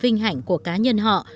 và vinh hạnh của cá nhân họ